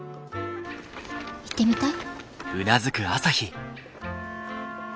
行ってみたい？